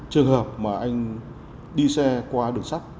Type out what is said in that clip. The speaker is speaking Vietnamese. trường hợp mà anh đi xe qua đường sắt